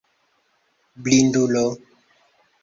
Blindulo!